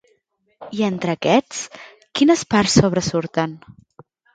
I entre aquests, quines parts sobresurten?